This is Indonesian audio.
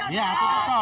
iya tutup tol